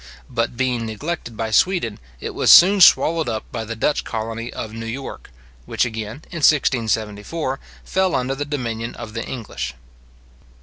But being neglected by Sweden, it was soon swallowed up by the Dutch colony of New York, which again, in 1674, fell under the dominion of the English.